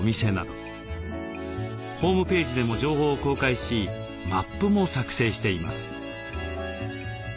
ホームページでも情報を公開しマップも作成しています。